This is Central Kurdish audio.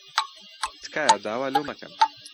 تکایە داوا لەو مەکەن.